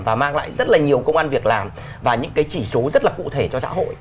và mang lại rất là nhiều công an việc làm và những cái chỉ số rất là cụ thể cho xã hội